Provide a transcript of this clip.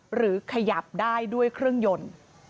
หรือขยับได้ด้วยเครื่องยนต์